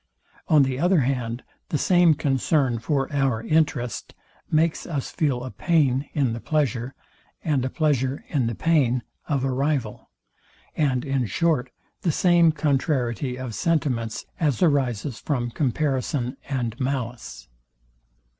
On the other hand, the same concern for our interest makes us feel a pain in the pleasure, and a pleasure in the pain of a rival; and in short the same contrariety of sentiments as arises from comparison and malice.